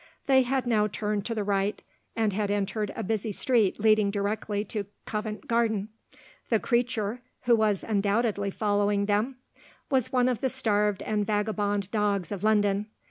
They had now turned to the right, and had entered a busy street leading directly to Covent Garden. The "creature" (who was undoubtedly following them) was one of the starved and vagabond dogs of London.